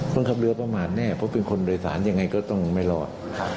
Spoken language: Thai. คนขับเรือประมาทแน่เพราะเป็นคนโดยสารยังไงก็ต้องไม่รอด